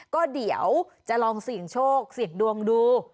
ก็เดี๋ยวจะลองเสี่ยงโชคเสี่ยงดวงดู